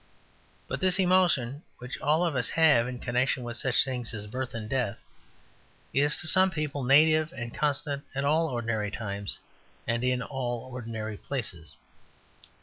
But this emotion, which all of us have in connection with such things as birth and death, is to some people native and constant at all ordinary times and in all ordinary places.